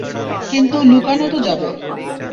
কিন্তু লুকানো তো যাবে।